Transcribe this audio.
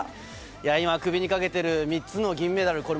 今、首にかけている３つの銀メダル